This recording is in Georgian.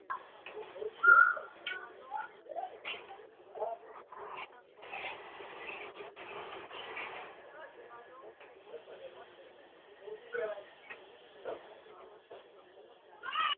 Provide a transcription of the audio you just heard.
რიბოსომა ეუკარიოტულ უჯრედის ციტოპლაზმის ნაწილია, მდებარეობს ხორკლიან ენდოპლაზმურ ბადეზე, მიტოქონდრიის მატრიქსში, ქლოროპლასტის სტრომაში.